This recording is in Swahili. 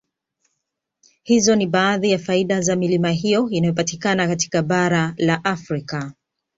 Hizo ni baadhi ya faida za milima hiyo inayopatikana katika bara la Afrika